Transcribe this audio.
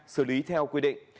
xử lý theo quy định